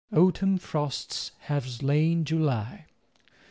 Autumn frosts have slain July.